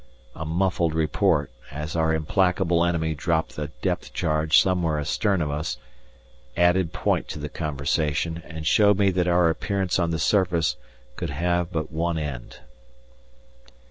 A muffled report, as our implacable enemy dropped a depth charge somewhere astern of us, added point to the conversation, and showed me that our appearance on the surface could have but one end.